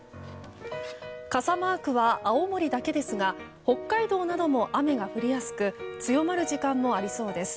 傘マークは青森だけですが北海道なども雨が降りやすく強まる時間もありそうです。